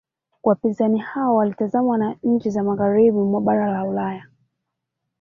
Wapinzani hao walitazamwa na nchi za magharibi mwa bara la Ulaya